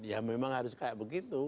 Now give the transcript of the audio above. ya memang harus kayak begitu